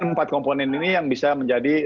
empat komponen ini yang bisa menjadi